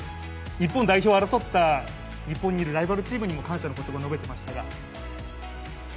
日本代表を争ったライバルチームにも感謝の言葉を述べていましたが。